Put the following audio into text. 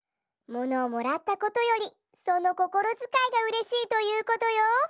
「ものをもらったことよりそのこころづかいがうれしい」ということよ。